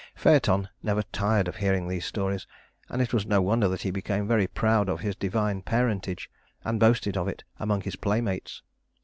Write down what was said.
Phaëton never tired of hearing these stories, and it was no wonder that he became very proud of his divine parentage, and boasted of it among his playmates.